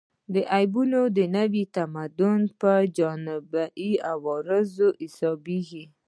دا عیبونه د نوي تمدن په جانبي عوارضو کې حسابېږي